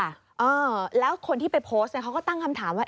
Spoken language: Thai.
เออแล้วคนที่ไปโพสต์เนี่ยเขาก็ตั้งคำถามว่า